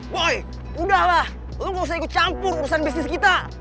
boy udah lah lu gak usah ikut campur urusan bisnis kita